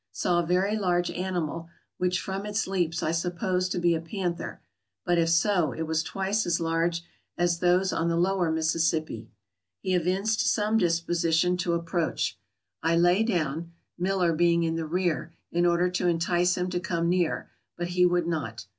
Saw a very large animal, which from its leaps I supposed to be a panther; but if so, it was twice as large as those on the lower Mis AMERICA 145 sissippi. He evinced some disposition to approach. I lay down (Miller being in the rear) in order to entice him to come near, but he would not.